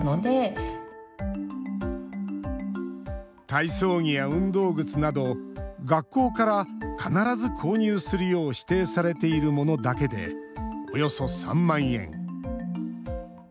体操着や運動靴など学校から必ず購入するよう指定されているものだけでおよそ３万円。